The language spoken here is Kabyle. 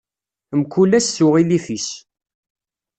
Mkul ass s uɣilif-is.